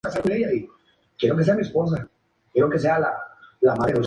Su dirección es Calle Antonio "Tota" Carbajal esquina Malecón del Río, Colonia La Martinica.